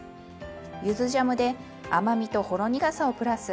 ゆずジャムで甘みとほろ苦さをプラス。